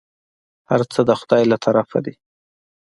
هرڅه د خداى له طرفه دي.